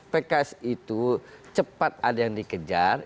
pks itu cepat ada yang dikejar